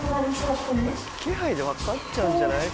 気配で分かっちゃうんじゃない？